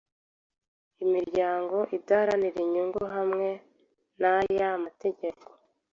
imiryango idaharanira inyungu hamwe n aya mategeko